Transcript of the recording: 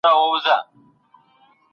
وخت د سرو زرو په څیر ارزښت لري.